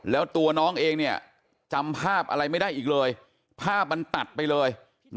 แล้วตัวน้องเองจำภาพอะไรไม่ได้อีกเลยภาพมันตัดไปเลย